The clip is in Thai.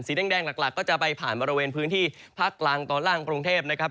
แดงหลักก็จะไปผ่านบริเวณพื้นที่ภาคกลางตอนล่างกรุงเทพนะครับ